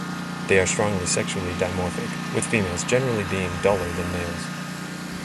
They are strongly sexually dimorphic, with females generally being duller than males.